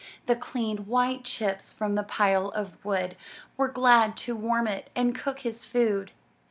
The clean, white chips from the pile of wood Were glad to warm it and cook his food.